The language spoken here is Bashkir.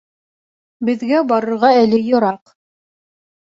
Беҙгә барырға әле йыраҡ